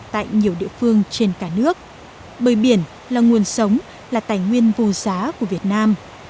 tại nhiều địa phương trên cả nước bơi biển là nguồn sống là tài nguyên vô giá của việt nam